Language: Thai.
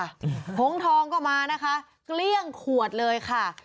หงทองก็มานะคะเกลี้ยงขวดเลยค่ะ